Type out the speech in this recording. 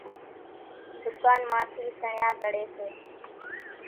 ۮُڪانَ مان ٿِي سڻيا زڙيَ سي۔